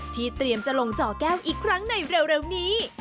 เตรียมจะลงจ่อแก้วอีกครั้งในเร็วนี้